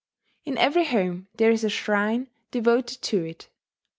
In every home there is a shrine devoted to it.